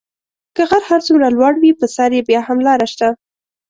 که غر هر څومره لوړ وي په سر یې بیا هم لاره شته .